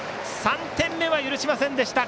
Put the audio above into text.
３点目は許しませんでした